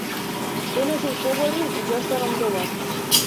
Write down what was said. Денес сум слободен и ќе останам дома.